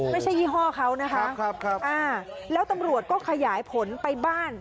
ไม่ใช่ยี่ห้อเขานะคะอ้าวแล้วตำรวจก็ขยายผลไปบ้าน